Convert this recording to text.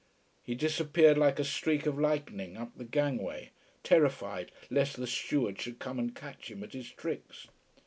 He disappeared like a streak of lightning up the gangway, terrified lest the steward should come and catch him at his tricks.